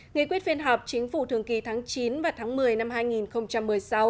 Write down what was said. nghị quyết phiên họp chính phủ thường kỳ tháng chín và tháng một mươi năm hai nghìn một mươi sáu